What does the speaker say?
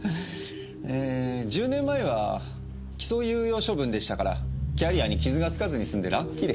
ええ１０年前は起訴猶予処分でしたからキャリアに傷が付かずに済んでラッキーでしたよ。